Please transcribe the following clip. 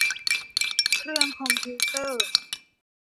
เครื่องคอมพิวเตอร์